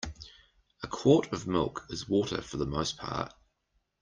A quart of milk is water for the most part.